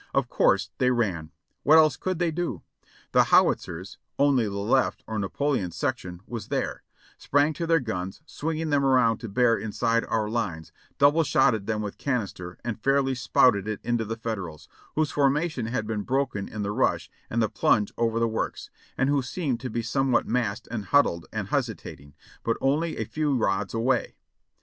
Of course they ran. What else could they do? "The Howitzers — only the left, or Napoleon section, was there — sprang to their guns, swinging them around to bear inside our lines, double shotted them with canister and fairly spouted it into the Federals, whose formation had been broken in the rush and the plunge over the works, and who seemed to be somewhat massed and huddled and hesitating, but only a few rods away.